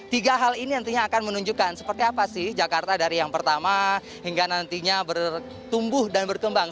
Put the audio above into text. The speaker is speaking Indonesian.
tiga hal ini nantinya akan menunjukkan seperti apa sih jakarta dari yang pertama hingga nantinya bertumbuh dan berkembang